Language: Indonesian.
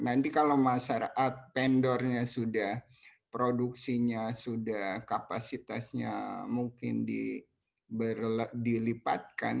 nanti kalau masyarakat vendornya sudah produksinya sudah kapasitasnya mungkin dilipatkan